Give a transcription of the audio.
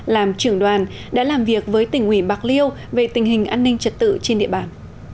làm trưởng đoàn đã làm việc với tỉnh ủy bạc liêu về tình hình an ninh trật tự trên địa bàn